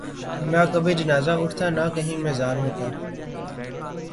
نہ کبھی جنازہ اٹھتا نہ کہیں مزار ہوتا